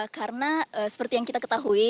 karena seperti yang kita ketahui